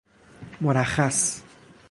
مرخص